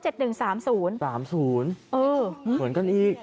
เหมือนกันอีก